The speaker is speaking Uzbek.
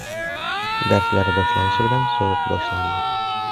Darslar boshlanishi bilan sovuqda boshlandi.